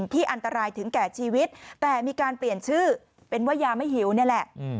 ที่อันตรายถึงแก่ชีวิตแต่มีการเปลี่ยนชื่อเป็นว่ายาไม่หิวนี่แหละ